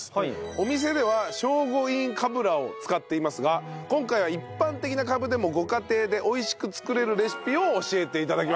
お店では聖護院かぶらを使っていますが今回は一般的なカブでもご家庭で美味しく作れるレシピを教えて頂きました。